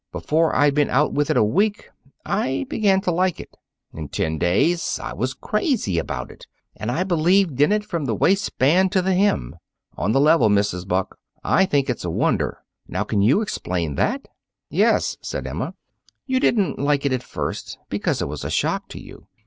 Before I'd been out with it a week, I began to like it. In ten days, I was crazy about it, and I believed in it from the waistband to the hem. On the level, Mrs. Buck, I think it's a wonder. Now, can you explain that?" "Yes," said Emma; "you didn't like it at first because it was a shock to you.